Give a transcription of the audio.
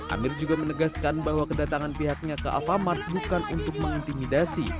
amir juga menegaskan bahwa kedatangan pihaknya ke alfamart bukan untuk mengintimidasi